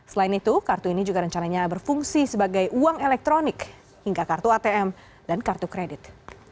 selain itu kartu ini juga rencananya berfungsi sebagai uang elektronik hingga kartu atm dan kartu kredit